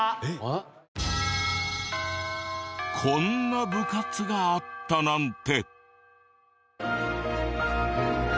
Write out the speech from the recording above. こんな部活があったなんて。